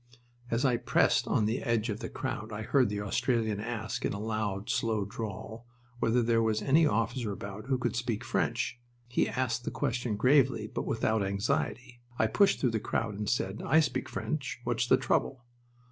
As I pressed on the edge of the crowd I heard the Australian ask, in a loud, slow drawl, whether there was any officer about who could speak French. He asked the question gravely, but without anxiety. I pushed through the crowd and said: "I speak French. What's the trouble?"